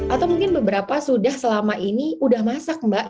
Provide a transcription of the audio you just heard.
atau mungkin beberapa sudah selama ini sudah masak mbak